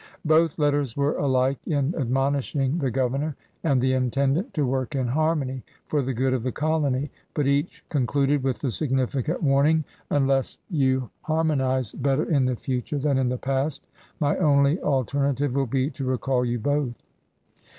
Both letters were alike in admonishing the governor and the intendant to work in har mony for the good of the colony, but each con cluded with the significant warning: "Unless you THE IRON GOVERNOR 91 harmonize better in the future than in the past, my only alternative will be to recall you both."